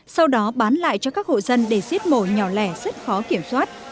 sau đó bán lại cho các hộ dân để giết mổ nhỏ lẻ rất khó kiểm soát